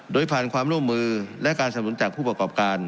โดยผ่านความร่วมมือและการสำนุนจากผู้ประกอบการ